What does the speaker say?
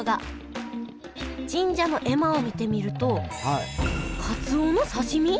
神社の絵馬を見てみるとかつおの刺身？